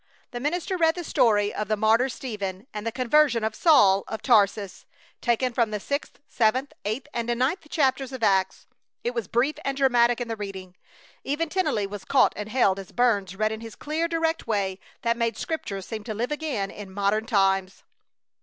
The minister read the story of the martyr Stephen, and the conversion of Saul of Tarsus, taken from the sixth, seventh, eighth, and ninth chapters of Acts. It was brief and dramatic in the reading. Even Tennelly was caught and held as Burns read in his clear, direct way that made Scripture seem to live again in modern times.